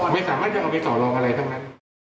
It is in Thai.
ไม่สามารถจะเอาไปต่อรองอะไรทั้งนั้น